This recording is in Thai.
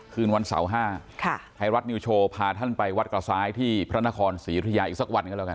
คืนวันเสาร์๕ไทยรัฐนิวโชว์พาท่านไปวัดกระซ้ายที่พระนครศรีอุทยาอีกสักวันก็แล้วกัน